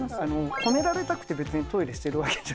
褒められたくて別にトイレしてるわけじゃないので。